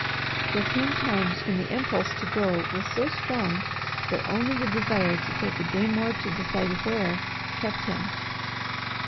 There came times when the impulse to go was so strong that only the desire to take a day more to decide where, kept him.